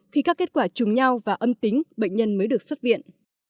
khi các kết quả chùm nhau và âm tính bệnh nhân mới được xuất viện